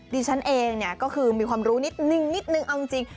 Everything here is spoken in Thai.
ดิฉันเองก็คือมีความรู้นิดหนึ่งเอาจริง